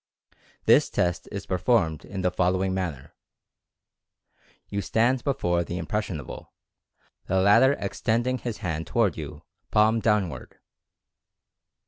This test is performed in the following manner: Zou stand before the "impressionable" the latter ex tending his hand toward you palm downward.